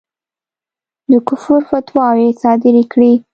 د کُفر فتواوې صادري کړې.